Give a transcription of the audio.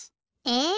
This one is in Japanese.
え！